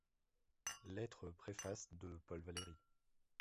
Lettre-préface de Paul Valéry.